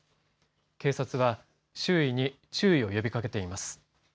警察は注意を呼びかけています。